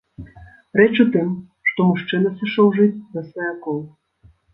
Рэч у тым, што мужчына сышоў жыць да сваякоў.